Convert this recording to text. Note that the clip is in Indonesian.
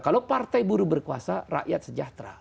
kalau partai buruh berkuasa rakyat sejahtera